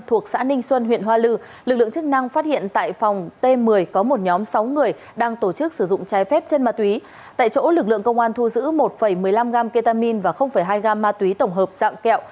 tại chỗ lực lượng công an thu giữ một một mươi năm gam ketamin và hai gam ma túy tổng hợp dạng kẹo